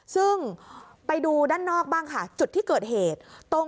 ซึ่งไปดูด้านนอกบ้างค่ะจุดที่เกิดเหตุตรง